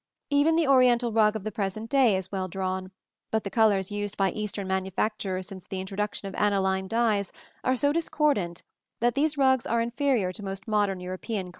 Even the Oriental rug of the present day is well drawn; but the colors used by Eastern manufacturers since the introduction of aniline dyes are so discordant that these rugs are inferior to most modern European carpets.